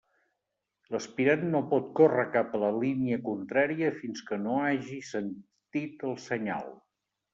L'aspirant no pot córrer cap a la línia contrària fins que no hagi sentit el senyal.